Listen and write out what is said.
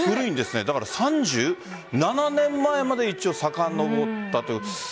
３７年前まで一応さかのぼったという。